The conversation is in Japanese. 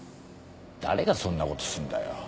誰がそんなことすんだよ。